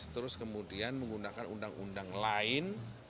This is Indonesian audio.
terus kemudian menggunakan undang undang lain